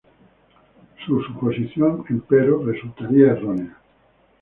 Su suposición, empero, resultaría errónea.